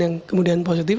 yang kemudian positif